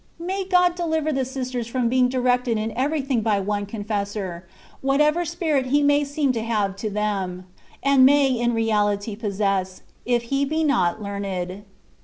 May God deliver the sisters from being directed in everything by one confessor, whatever spirit he may seem to them to have* (and may in reality possess), if he be not learned.